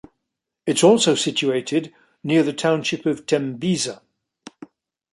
It’s also situated near the township of Tembisa.